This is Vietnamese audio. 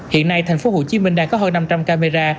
hiện nay tp hcm đang có hơn năm trăm linh camera